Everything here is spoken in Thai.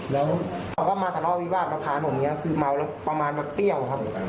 แล้วก็มาทะเลาะวิบาทประพานผมเนี้ยคือเมาแล้วประมาณแบบเปรี้ยวครับผม